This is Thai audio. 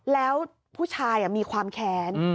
แล้วผู้ชายมีความแค้น